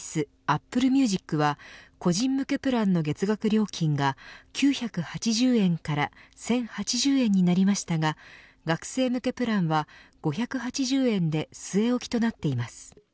アップルミュージックは個人向けプランの月額料金が９８０円から１０８０円になりましたが学生向けプランは５８０円で据え置きとなっています。